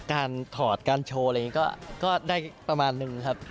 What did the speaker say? ถอดการโชว์อะไรอย่างนี้ก็ได้ประมาณนึงครับ